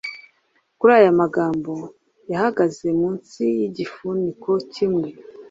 Kuri aya magambo yahagaze munsi yigifuniko kimwe